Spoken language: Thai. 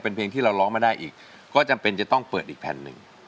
เป็นเพลงที่เราร้องมาได้อีกก็จำเป็นจะต้องเปิดอีกแผ่นหนึ่ง